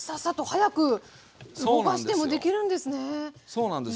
そうなんです。